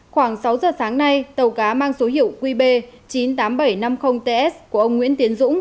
khoảng sáu giờ sáng nay tàu cá mang số hiệu qb chín mươi tám nghìn bảy trăm năm mươi ts của ông nguyễn tiến dũng